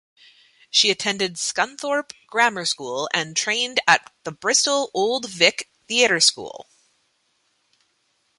She attended Scunthorpe Grammar School and trained at the Bristol Old Vic Theatre School.